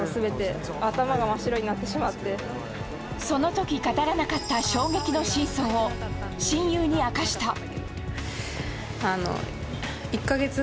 その時語らなかった衝撃の真相を、親友に明かした。